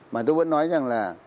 mà tôi vẫn nói rằng là